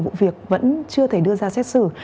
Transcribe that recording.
vụ việc vẫn chưa thể đưa ra xét xử